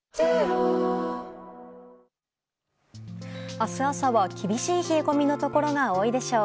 明日朝は厳しい冷え込みのところが多いでしょう。